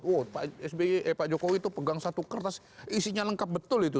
wah pak jokowi itu pegang satu kertas isinya lengkap betul itu